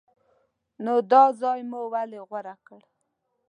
نو دا ځای مو ولې غوره کړ؟